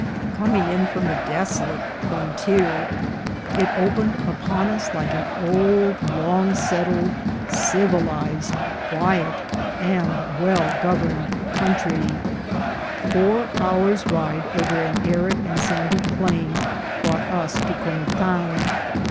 Coming in from the desolate frontier, it opened upon us like an old, long settled, civilized, quiet, and well governed country. Four hours' ride over an arid and sandy plain brought us to Comitan.